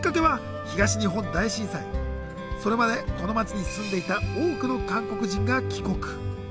それまでこの街に住んでいた多くの韓国人が帰国。